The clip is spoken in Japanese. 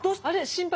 心配。